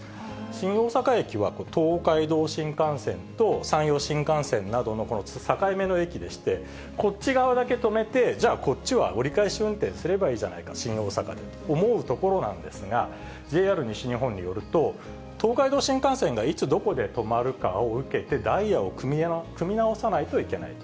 新大阪駅は東海道新幹線と山陽新幹線などの境目の駅でして、こっち側だけ止めて、じゃあこっちは折り返し運転すればいいんじゃないか、新大阪でと、思うところなんですが、ＪＲ西日本によると、東海道新幹線が、いつどこで止まるかを受けてダイヤを組み直さないといけないと。